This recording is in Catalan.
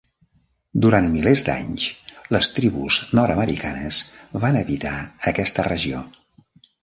Durant milers d'anys, les tribus nord-americanes van habitar aquesta regió.